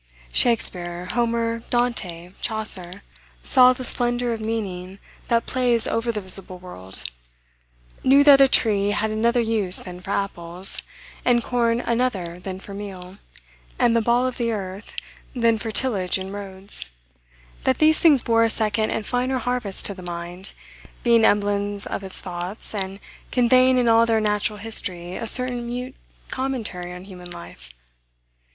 Shakspeare, Homer, Dante, Chaucer, saw the splendor of meaning that plays over the visible world; knew that a tree had another use than for apples, and corn another than for meal, and the ball of the earth, than for tillage and roads: that these things bore a second and finer harvest to the mind, being emblems of its thoughts, and conveying in all their natural history a certain mute commentary on human life.